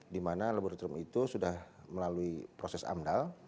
di mana laboratorium itu sudah melalui proses amdal